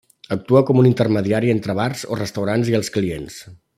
Actua com un intermediari entre bars o restaurants i els clients.